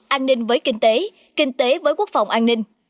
an ninh với kinh tế kinh tế với quốc phòng an ninh